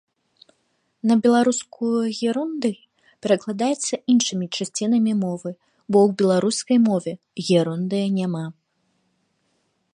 На беларускую герундый перакладаецца іншымі часцінамі мовы, бо ў беларускай мове герундыя няма.